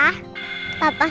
tetap sama mama